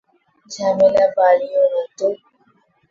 ঝামেলা বাড়িও নাতো।